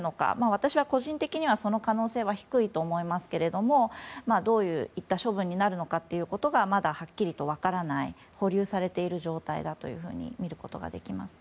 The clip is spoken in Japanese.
私は個人的にはその可能性は低いと思いますけれどもどういった処分になるのかがまだはっきりと分からない保留されている状態だとみることができます。